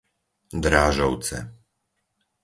Drážovce